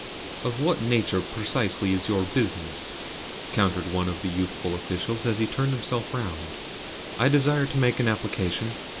"Of what nature, precisely, IS your business?" countered one of the youthful officials as he turned himself round. "I desire to make an application."